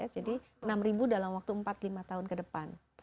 jadi enam ribu dalam waktu empat lima tahun ke depan